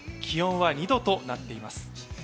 気温は２度となっています。